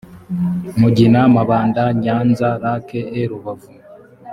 mugina mabanda nyanza lac et rubavu